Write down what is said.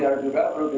evaluasi untuk psbb